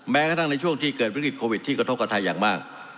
แม้กระทั่งในช่วงที่เกิดวิกฤตโควิดที่กระทบกับไทยอย่างมาก